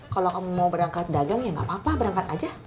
kalau kamu mau berangkat dagang ya nggak apa apa berangkat aja